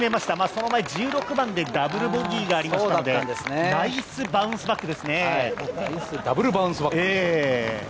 その前１６番でダブルボギーがありましたがダブルバウンスバック。